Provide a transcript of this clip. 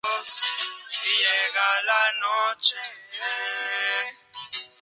Todo lo que se puede ser válidamente inferido es que "Algunos P son S".